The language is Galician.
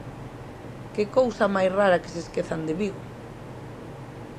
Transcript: ¡Que cousa máis rara que se esquezan de Vigo!